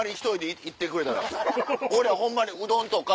俺らホンマにうどんとか。